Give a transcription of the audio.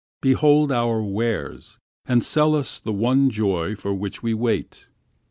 Behold our wares, And sell us the one joy for which we wait.